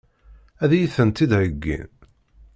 Ad iyi-tent-id-heggin?